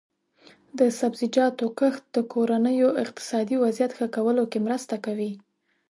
د سبزیجاتو کښت د کورنیو اقتصادي وضعیت ښه کولو کې مرسته کوي.